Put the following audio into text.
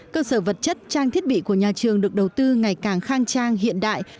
cơ sở vật chất trang thiết bị của nhà trường được đầu tư ngày càng khang trang hiện đại